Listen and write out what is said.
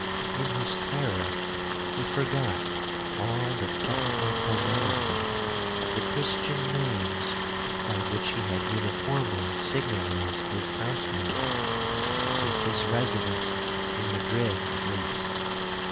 In his terror, he forgot all the technical formality of the Christian names by which he had uniformly signalized his household, since his residence in Madrid at least.